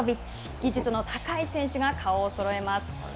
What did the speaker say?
技術の高い選手が、顔をそろえます。